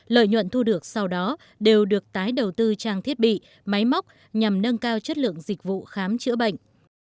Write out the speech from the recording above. lợi nhuận thu được sau đó đều được tái đầu tư trang thiết bị máy móc nhằm nâng cao chất lượng dịch vụ khám chữa bệnh